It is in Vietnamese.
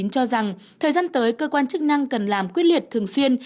cho rằng thời gian tới cơ quan chức năng cần làm quyết liệt thường xuyên